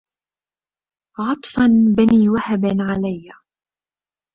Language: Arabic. عطفا بني وهب علي